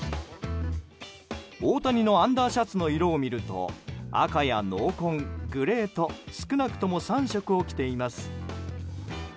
大谷のアンダーシャツの色を見ると赤や濃紺、グレーと少なくとも３色を着ています。